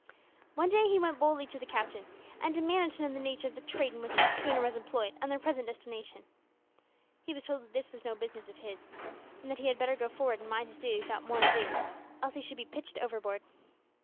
One day he went boldly to the captain and demanded to know the nature of the trade in which the schooner was employed and their present destination. He was told that that was no business of his, that he had better go forward and mind his duty without more ado, else he should be pitched overboard.